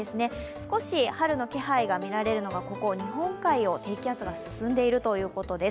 少し春の気配が見られるのが日本海を低気圧が進んでいるということです。